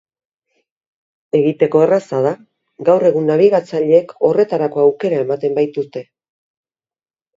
Egiteko erraza da, gaur egun nabigatzaileek horretarako aukera ematen baitute.